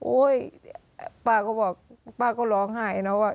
โอ๊ยป้าก็บอกป้าก็ร้องหายแล้วว่า